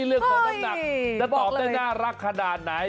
เรื่องของน้ำหนักเฮ้ยบอกเลยจะตอบได้น่ารักขนาดไหน